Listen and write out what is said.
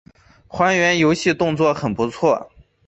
还原游戏动作很不错